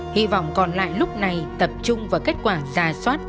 hy vọng còn lại lúc này tập trung vào kết quả giả soát